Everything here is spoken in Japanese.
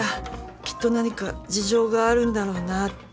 きっと何か事情があるんだろうなぁって。